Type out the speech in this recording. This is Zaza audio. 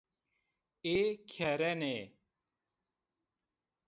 Ê kerenê.